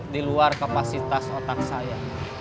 diluar kapasitas otak saya